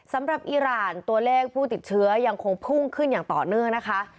สำหรับอิราณตัวเลขผู้ติดเชื้อยังคงพุ่งขึ้นอย่างต่อเนื่องนะคะ